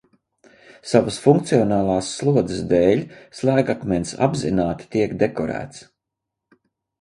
Savas funkcionālās slodzes dēļ slēgakmens apzināti tiek dekorēts.